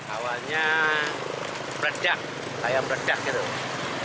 awalnya berdak kayak berdak gitu